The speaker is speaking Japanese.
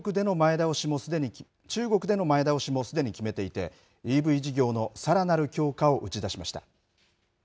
中国での前倒しもすでに決めていて、ＥＶ事業のさらなる強化を打ち出しました。